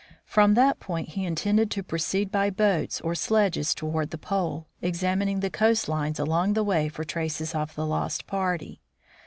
From that point he intended to proceed by boats or sledges toward the pole, examining the coast lines along the way for traces of the lost party.